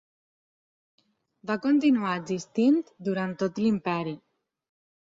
Va continuar existint durant tot l'Imperi.